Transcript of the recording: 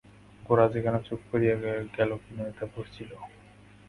গোরা যে কেন চুপ করিয়া গেল বিনয় তাহা বুঝিল।